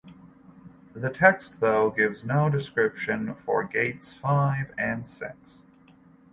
The text though gives no description for Gates five and six.